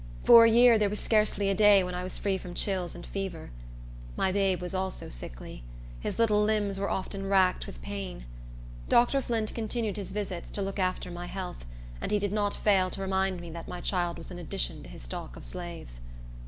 For a year there was scarcely a day when I was free from chills and fever. My babe also was sickly. His little limbs were often racked with pain. Dr. Flint continued his visits, to look after my health; and he did not fail to remind me that my child was an addition to his stock of slaves.